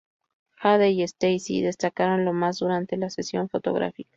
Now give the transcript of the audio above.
Jade y Stacey destacaron lo más durante la sesión fotográfica.